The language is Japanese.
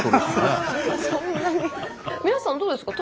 皆さんどうですか？